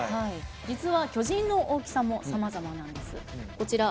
実は巨人の大きさもさまざまなんです。